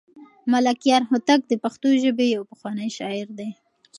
ملکیار هوتک د پښتو ژبې یو پخوانی شاعر دی.